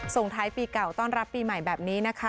ส่งท้ายปีเก่าต้อนรับปีใหม่แบบนี้นะคะ